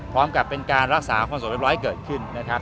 พร้อมกับเป็นการรักษาความสงบเรียบร้อยเกิดขึ้นนะครับ